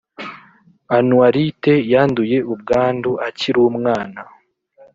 Anuaritte yanduye ubwandu akirumwana